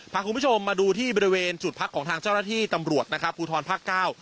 พาคุณผู้ชมมาดูที่บริเวณจุดพักของทางเจ้าหน้าที่ตำรวจนะครับภูทรภาคเก้า